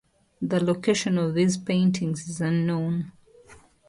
The location of these paintings is unknown.